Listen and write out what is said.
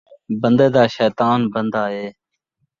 بن٘دے دا شیطان بن٘دہ اے